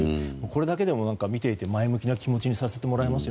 これだけでも見ていて前向きな気持ちにさせてもらえます。